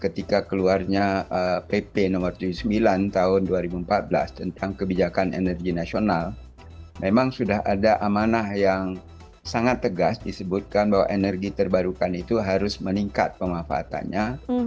ketika keluarnya pp no tujuh puluh sembilan tahun dua ribu empat belas tentang kebijakan energi nasional memang sudah ada amanah yang sangat tegas disebutkan bahwa energi terbarukan itu harus meningkat pemanfaatannya